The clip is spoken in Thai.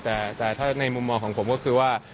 แต่ถ้าในมุมมองของผมก็คือว่า